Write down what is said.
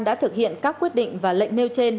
đã thực hiện các quyết định và lệnh nêu trên